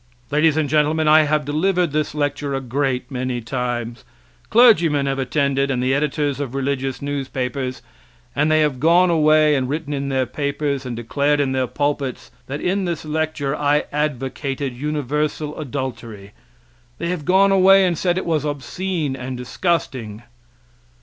Ladies and gentlemen, I have delivered this lecture a great many times; clergymen have attended, and editors of religious newspapers, and they have gone away and written in their papers and declared in their pulpits that in this lecture I advocated universal adultery; they have gone away and said it was obscene and disgusting.